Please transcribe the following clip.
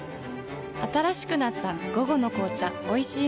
新しくなった「午後の紅茶おいしい無糖」